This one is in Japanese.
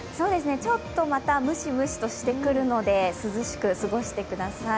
ちょっとまた蒸し蒸しとしてくるので涼しく過ごしてください。